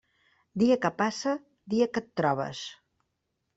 Dia que passa, dia que et trobes.